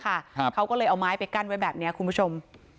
เขาก็เลยเอาไม้ไปกั้นไว้แบบเนี้ยคุณผู้ชม